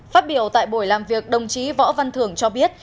phát biểu tại buổi làm việc đồng chí võ văn thưởng cho biết